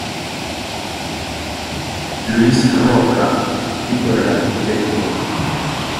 Luis B. Rocca, y por el arq.